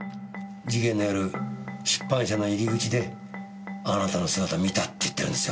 事件の夜出版社の入り口であなたの姿見たって言ってるんですよ。